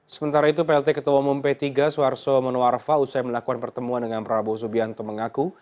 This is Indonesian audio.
sementara itu plt ketua umum p tiga suarso monoarfa usai melakukan pertemuan dengan prabowo subianto mengaku